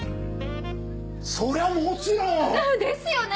そりゃもちろん！ですよね！